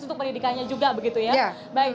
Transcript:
untuk pendidikannya juga begitu ya baik